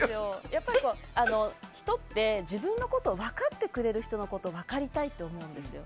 やっぱり人って自分のことを分かってくれる人のことを分かりたいって思うんですよ。